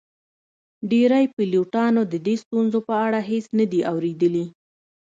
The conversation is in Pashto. ډیری پیلوټانو د دې ستونزو په اړه هیڅ نه دي اوریدلي